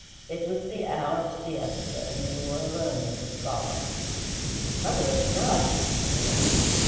It was the hour of siesta, and they were alone in the sala. "Mother of God!" he exclaimed.